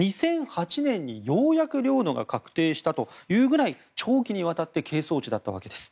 ２００８年にようやく領土が確定したぐらい長期にわたって係争地だったわけです。